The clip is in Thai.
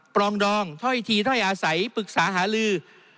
ปรองดองถ้อยทีถ้อยอาศัยปรึกษาหาลือ